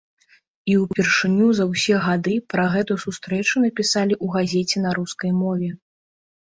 І ўпершыню за ўсе гады пра гэту сустрэчу напісалі ў газеце на рускай мове.